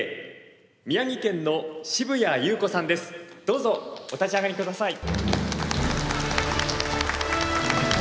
どうぞお立ち上がり下さい。